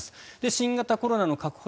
新型コロナの確保